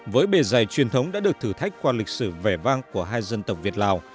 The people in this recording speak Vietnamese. với bề dày truyền thống đã được thử thách qua lịch sử vẻ vang của hai dân tộc việt lào